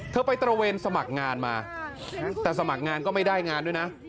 ไปตระเวนสมัครงานมาแต่สมัครงานก็ไม่ได้งานด้วยนะ